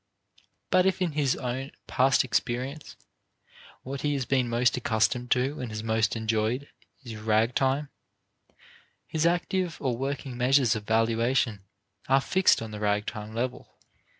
But if in his own past experience, what he has been most accustomed to and has most enjoyed is ragtime, his active or working measures of valuation are fixed on the ragtime level.